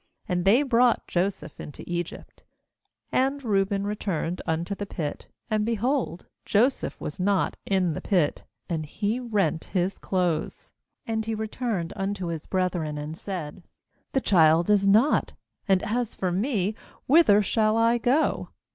And they brought Joseph into Egypt. 29And Reuben returned unto the pit; and, behold, Joseph was not in the pit; and he rent his clothes. 30And he returned unto his brethren, and said: 'The child is not; and as for me, whith er shall I go?'